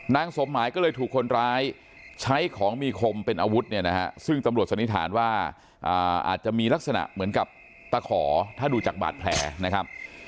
สมหมายก็เลยถูกคนร้ายใช้ของมีคมเป็นอาวุธเนี่ยนะฮะซึ่งตำรวจสันนิษฐานว่าอาจจะมีลักษณะเหมือนกับตะขอถ้าดูจากบาดแผลนะครับ